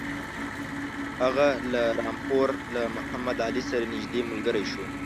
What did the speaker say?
هغه له رامپور له محمدعلي سره نیژدې ملګری شو.